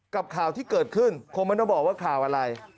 ข่าวที่เกิดขึ้นคงไม่ต้องบอกว่าข่าวอะไร